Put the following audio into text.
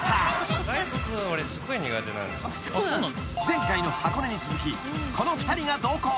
［前回の箱根に続きこの２人が同行］